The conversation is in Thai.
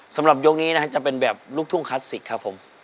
สำหรับยกนี้นะครับจะเป็นแบบลูกทุ่งคลาสสิกครับผม